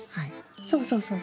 そうそうそう。